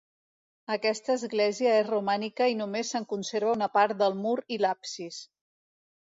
Aquesta església és romànica i només se'n conserva una part del mur i l'absis.